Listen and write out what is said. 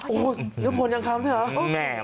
โอ้โหเนื้อพนยางคำใช่หรอ